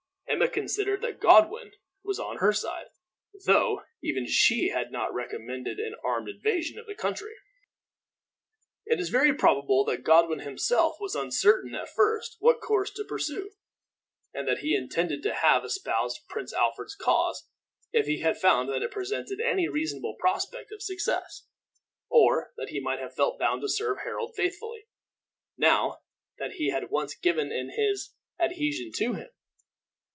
Emma considered that Godwin was on her side, though even she had not recommended an armed invasion of the country. It is very probable that Godwin himself was uncertain, at first, what course to pursue, and that he intended to have espoused Prince Alfred's cause if he had found that it presented any reasonable prospect of success. Or he may have felt bound to serve Harold faithfully, now that he had once given in his adhesion to him.